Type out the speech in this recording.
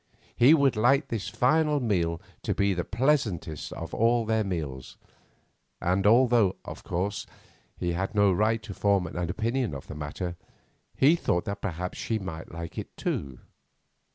He would like this final meal to be the pleasantest of all their meals, and although, of course, he had no right to form an opinion on the matter, he thought that perhaps she might like it, too.